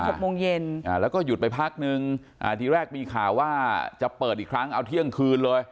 หกโมงเย็นอ่าแล้วก็หยุดไปพักนึงอ่าทีแรกมีข่าวว่าจะเปิดอีกครั้งเอาเที่ยงคืนเลย